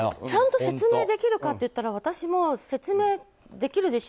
ちゃんと説明できるかといったら私も説明できる